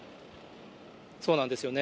そうなんですよね。